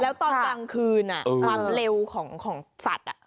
แล้วตอนกลางคืนความเร็วของสัตว์